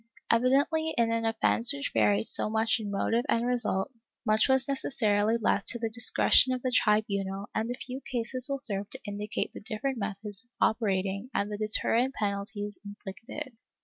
^ Evidently in an offence which varied so much in motive and result, much was necessarily left to the discretion of the tribunal and a few cases will serve to indicate the different methods of operating and the deterrent penalties inflicted.